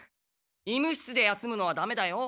医務室で休むのはダメだよ。